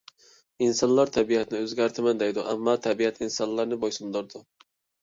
ئىنسانلار تەبىئەتنى ئۆزگەرتىمەن دەيدۇ، ئەمما تەبىئەت ئىنسانلارنى بويسۇندۇرىدۇ.